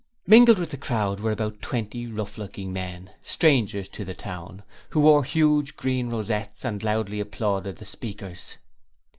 Mingled with the crowd were about twenty rough looking men strangers to the town who wore huge green rosettes and loudly applauded the speakers.